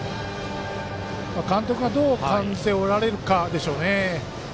監督がどう感じておられるかですね。